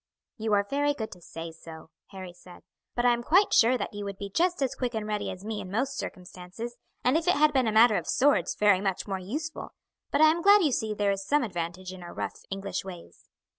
"You are very good to say so," Harry said; "but I am quite sure that you would be just as quick and ready as me in most circumstances, and if it had been a matter of swords, very much more useful; but I am glad you see there is some advantage in our rough English ways."